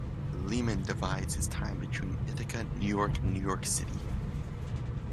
Lehman divides his time between Ithaca, New York, and New York City.